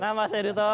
nah mas eduto